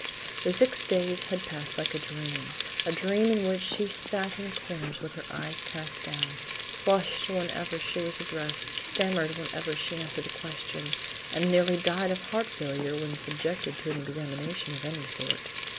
The six days had passed like a dream! a dream in which she sat in corners with her eyes cast down; flushed whenever she was addressed; stammered whenever she answered a question, and nearly died of heart failure when subjected to an examination of any sort.